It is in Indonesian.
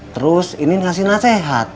terus inin ngasih nasehat